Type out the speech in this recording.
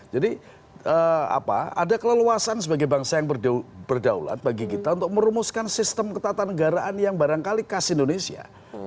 jadi ada keleluasan sebagai bangsa yang berdaulat bagi kita untuk merumuskan sistem ketatanegaraan yang barangkali khas indonesia